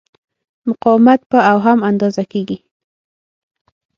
مقاومت په اوهم اندازه کېږي.